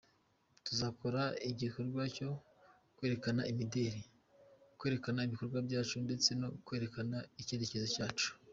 Tuzakora igikorwa cyo kwerekana imideli, kwerekana ibikorwa byacu ndetse no kwerekana icyerekezo cyacu.